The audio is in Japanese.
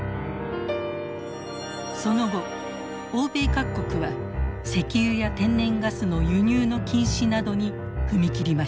その後欧米各国は石油や天然ガスの輸入の禁止などに踏み切りました。